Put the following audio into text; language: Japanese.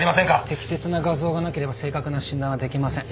適切な画像がなければ正確な診断はできません。